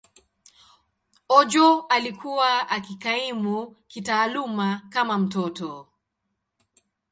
Ojo alikuwa akikaimu kitaaluma kama mtoto.